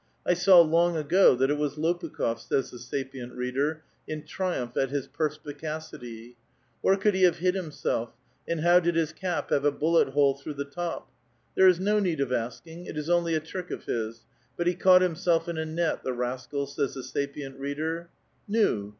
'' I saw long ago that it was Lopukh6f," says 't;lie sapient reader, in triumph at his perspicacity. Where <3ould he have hid himself, and how did his cap have a buUet liole through the top? " There is no need of asking; it is only a trick of his, but he caught himself in a net, the ras C5al," saj's the sapient reader. Nu!